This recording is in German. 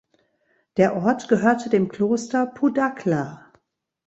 Der Ort gehörte dem Kloster Pudagla.